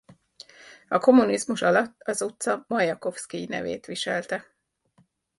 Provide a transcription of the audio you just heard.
A kommunizmus alatt az utca Majakovszkij nevét viselte.